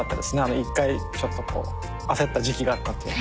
１回ちょっとこう焦った時期があったっていうのは。